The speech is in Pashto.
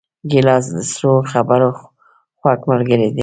ګیلاس د سړو خبرو خوږ ملګری دی.